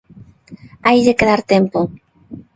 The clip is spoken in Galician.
Haille que dar tempo.